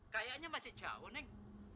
kayaknya masih jauh neng